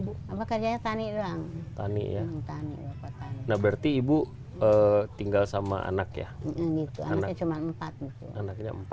berarti ibu tinggal sama anak ya